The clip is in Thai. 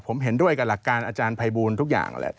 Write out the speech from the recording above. ผมเห็นด้วยกับหลักการอาจารย์ภัยบูลทุกอย่างแหละ